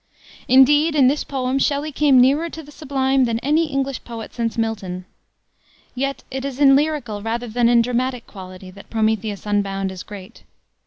Indeed, in this poem, Shelley came nearer to the sublime than any English poet since Milton. Yet it is in lyrical, rather than in dramatic, quality that Prometheus Unbound is great.